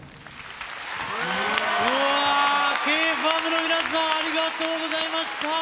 Ｋｆａｍの皆さん、ありがとうございました。